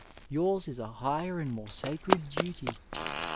Tours is a higher and more sacred duty.